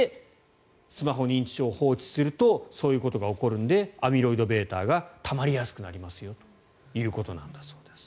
スマホ認知症を放置するとそういうことが起こるのでアミロイドβがたまりやすくなりますよということなんだそうです。